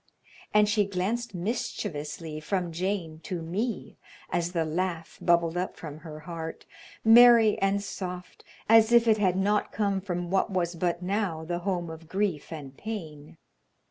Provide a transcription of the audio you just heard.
And she glanced mischievously from Jane to me, as the laugh bubbled up from her heart, merry and soft as if it had not come from what was but now the home of grief and pain.